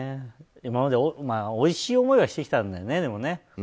今までおいしい思いはしてきたんだよね。